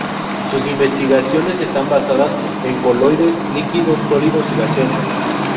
Sus investigaciones están basadas en coloides, líquidos, sólidos y gaseosos.